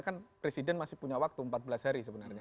kan presiden masih punya waktu empat belas hari sebenarnya